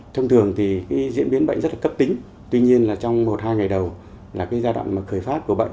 thông thường thì diễn biến bệnh rất là cấp tính tuy nhiên là trong một hai ngày đầu là giai đoạn khởi phát của bệnh